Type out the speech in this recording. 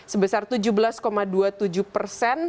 sebesar tujuh belas dua puluh tujuh persen